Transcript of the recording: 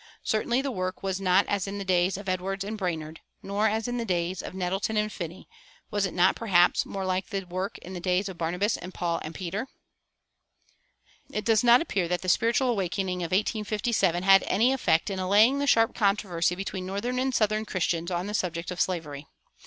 Certainly the work was not as in the days of Edwards and Brainerd, nor as in the days of Nettleton and Finney; was it not, perhaps, more like the work in the days of Barnabas and Paul and Peter? It does not appear that the spiritual quickening of 1857 had any effect in allaying the sharp controversy between northern and southern Christians on the subject of slavery.